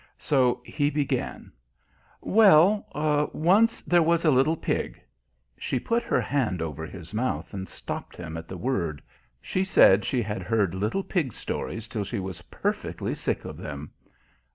So he began: "Well, once there was a little pig " She put her hand over his mouth and stopped him at the word. She said she had heard little pig stories till she was perfectly sick of them.